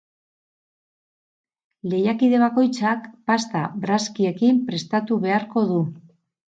Lehiakide bakoitzak pasta brazkiekin prestatu beharko du.